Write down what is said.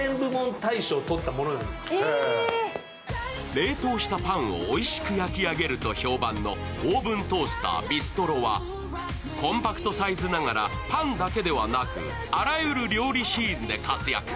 冷凍したパンをおいしく焼き上げると評判のオーブントースター・ビストロはコンパクトサイズながらパンだけではなくあらゆる料理シーンで活躍。